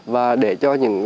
và để cho những